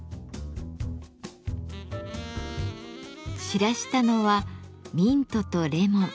散らしたのはミントとレモン。